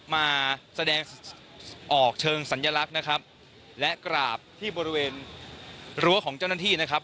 มาแสดงออกเชิงสัญลักษณ์นะครับและกราบที่บริเวณรั้วของเจ้าหน้าที่นะครับ